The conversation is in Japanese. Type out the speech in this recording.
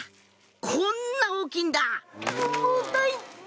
こんな大きいんだ！